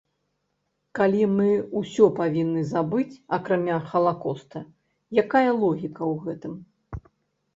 Калі мы ўсё павінны забыць, акрамя халакоста, якая логіка ў гэтым?